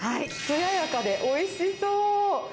つややかでおいしそう。